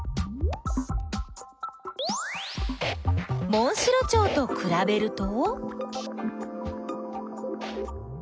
モンシロチョウとくらべると？